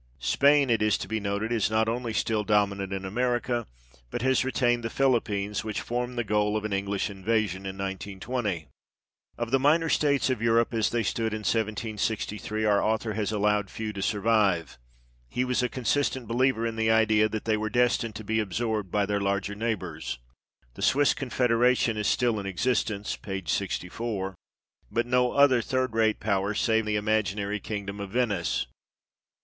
Spain, it is to be noted, is not only still dominant in America, but has retained the Philippines, which form the goal of an English invasion in 1920. Of the minor states of Europe, as they stood in 1763, our author has allowed few to survive. He was a consistent believer in the idea that they were destined to be absorbed by their larger neighbours. The Swiss Confederation is still in existence (p. 64), but no other third rate power, save the imaginary kingdom of Venice.